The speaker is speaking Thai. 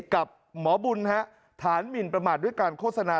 กับหมอบุญฐานหมินประมาทด้วยการโฆษณา